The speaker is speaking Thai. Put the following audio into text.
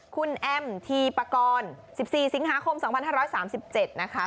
คุณแอมทีปากร๑๔สิงหาคม๒๕๓๗นะคะ